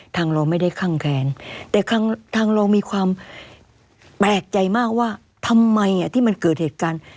เราไม่ได้คั่งแค้นแต่ทางเรามีความแปลกใจมากว่าทำไมที่มันเกิดเหตุการณ์